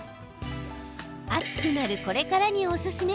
暑くなるこれからにおすすめ。